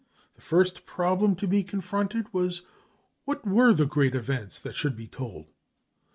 The first problem to be confronted was, What were the Great Events that should be told?